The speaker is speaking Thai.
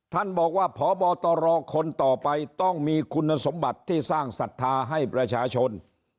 ท่านบอกว่าพบตรคนต่อไปต้องมีคุณสมบัติที่สร้างศรัทธาให้ประชาชน